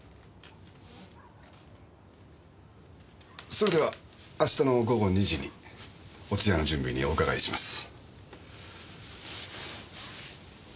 それでは明日の午後２時にお通夜の準備にお伺いします。